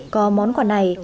có món quà này